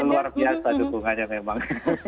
luar biasa dukungannya memang